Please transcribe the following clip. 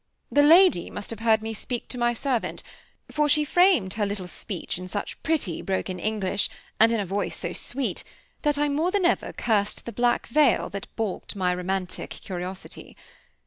The lady must have heard me speak to my servant, for she framed her little speech in such pretty, broken English, and in a voice so sweet, that I more than ever cursed the black veil that baulked my romantic curiosity.